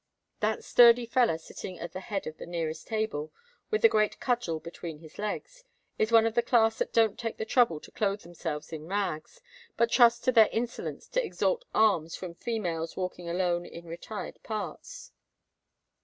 "That sturdy feller sitting at the head of the nearest table, with the great cudgel between his legs, is one of the class that don't take the trouble to clothe themselves in rags, but trust to their insolence to extort alms from females walking alone in retired parts.